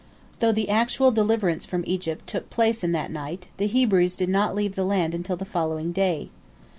" Though the actual deliverance from Egypt took place in that night, the Hebrews did not leave the land until the following day.